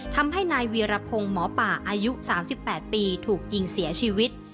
ทำให้นายวีรพงศ์หมอป่าอายุ๓๘ปีถูกยิงเสียชีวิต